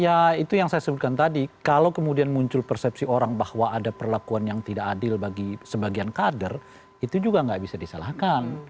ya itu yang saya sebutkan tadi kalau kemudian muncul persepsi orang bahwa ada perlakuan yang tidak adil bagi sebagian kader itu juga nggak bisa disalahkan